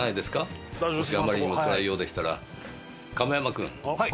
もしあまりにもつらいようでしたら。